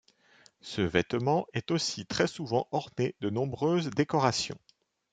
Ce vêtement est aussi très souvent orné de nombreuses décorations.